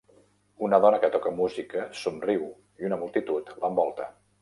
Una dona que toca música somriu i una multitud l'envolta.